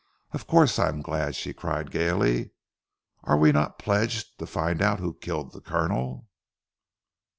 "Of course I am glad," she cried gaily, "are we not pledged to find out who killed the Colonel?"